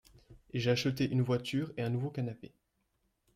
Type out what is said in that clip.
J’ai acheté une voiture et un nouveau canapé.